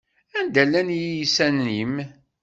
Anda llan yiysan-im?